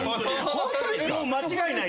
ホントですか？